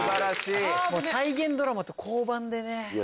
再現ドラマと交番でね。